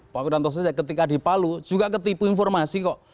pak wiranto saja ketika dipalu juga ketipu informasi kok